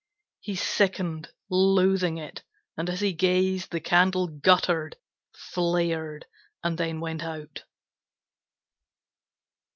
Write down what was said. He sickened, loathing it, and as he gazed The candle guttered, flared, and then went out.